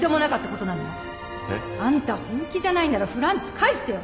えっ？あんた本気じゃないならフランツ返してよ！